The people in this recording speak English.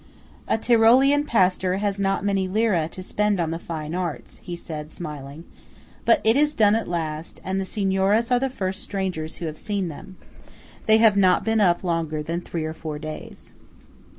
"A Tyrolean pastor has not many lire to spend on the fine arts," he said, smiling; "but it is done at last; and the Signoras are the first strangers who have seen them. They have not been up longer than three or four days."